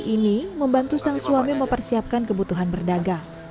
ini membantu sang suami mempersiapkan kebutuhan berdagang